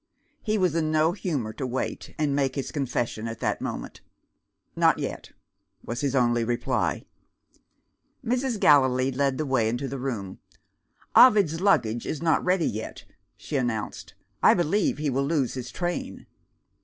He was in no humour to wait, and make his confession at that moment. "Not yet," was his only reply. Mrs. Gallilee led the way into the room. "Ovid's luggage is not ready yet," she announced; "I believe he will lose his train."